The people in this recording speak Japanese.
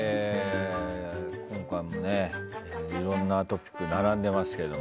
今回も、いろんなトピックが並んでいますけども。